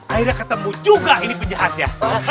akhirnya ketemu juga ini penjahatnya